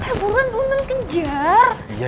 eh buruan nonton kejar